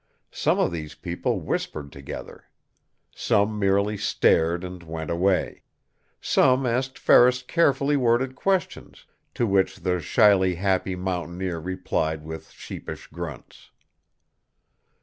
Some of these people whispered together. Some merely stared and went away. Some asked Ferris carefully worded questions, to which the shyly happy mountaineer replied with sheepish grunts.